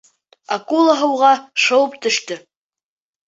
Акула һыуға шыуып төштө.